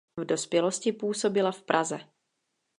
V dospělosti působila v Praze.